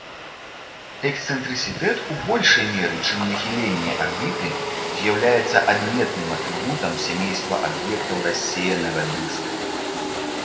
Эксцэнтрысітэт у большай меры, чым нахіленне арбіты, з'яўляецца адметным атрыбутам сямейства аб'ектаў рассеянага дыска.